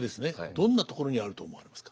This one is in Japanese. どんなところにあると思われますか？